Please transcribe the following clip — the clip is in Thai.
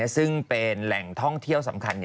ซึ่งเป็นแหล่งท่องเที่ยวสำคัญ